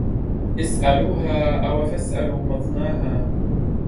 اسألوها أو فاسألوا مضناها